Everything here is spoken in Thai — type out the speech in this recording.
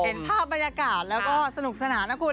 เห็นภาพบรรยากาศแล้วก็สนุกสนานนะคุณ